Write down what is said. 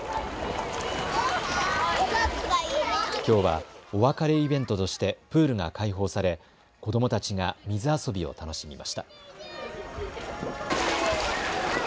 きょうはお別れイベントとしてプールが開放され、子どもたちが水遊びを楽しみました。